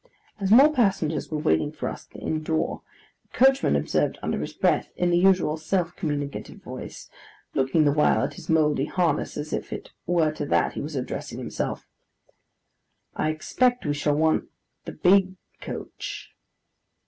As more passengers were waiting for us at the inn door, the coachman observed under his breath, in the usual self communicative voice, looking the while at his mouldy harness as if it were to that he was addressing himself, 'I expect we shall want the big coach.